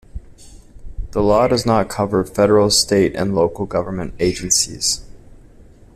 The law does not cover federal, state, and local government agencies.